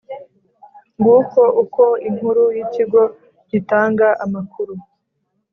nguko uko inkuru y'ikigo gitanga amakuru